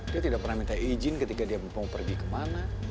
dia tidak pernah minta izin ketika dia mau pergi kemana